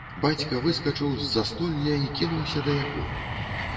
Бацька выскачыў з застолля і кінуўся да яго.